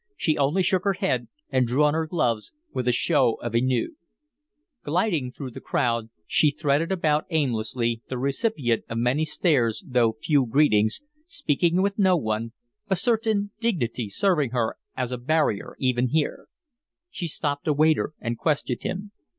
She only shook her head and drew on her gloves with a show of ennui. Gliding through the crowd, she threaded about aimlessly, the recipient of many stares though but few greetings, speaking with no one, a certain dignity serving her as a barrier even here. She stopped a waiter and questioned him.